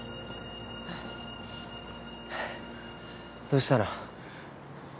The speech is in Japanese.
どうしたの？